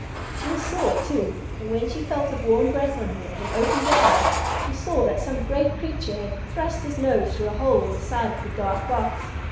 She was sore, too, and when she felt a warm breath on her and opened her eyes, she saw that some great creature had thrust his nose through a hole in the side of the dark box.